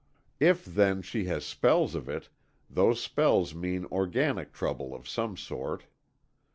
If, then, she has spells of it, those spells mean organic trouble of some sort.